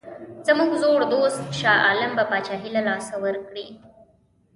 زموږ زوړ دوست شاه عالم به پاچهي له لاسه ورکړي.